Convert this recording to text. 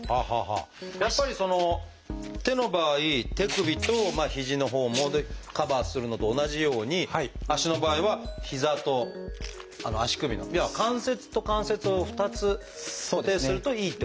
やっぱり手の場合手首と肘のほうもカバーするのと同じように脚の場合は膝と足首の要は関節と関節を２つ固定するといいっていうことですか？